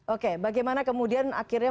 oke bagaimana kemudian akhirnya